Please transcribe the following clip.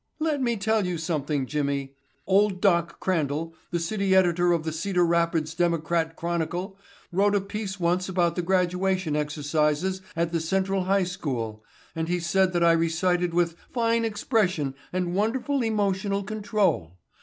"Let me tell you something, Jimmy. Old Doc Crandall, the city editor of the Cedar Rapids Democrat Chronicle, wrote a piece once about the graduation exercises at the Central High School and he said that I recited with 'fine expression and wonderful emotional control.